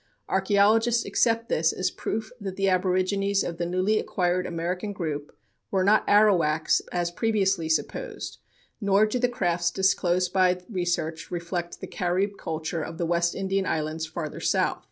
Archeologists accept this as proof that the aborigines of the newly acquired American group were not Arawaks, as previously supposed; nor do the crafts disclosed by research reflect the Carib culture of the West Indian islands farther south.